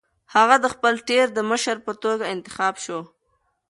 هغه د خپل ټبر د مشر په توګه انتخاب شو.